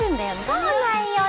そうなんよ。